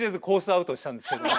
アウトしたんですけども。